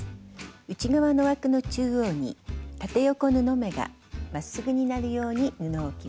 内側の枠の中央に縦横布目がまっすぐになるように布を置きます。